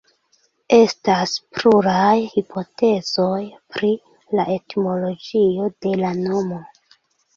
Estas pluraj hipotezoj pri la etimologio de la nomo.